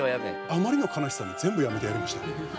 あまりの悲しさに全部やめてやりました。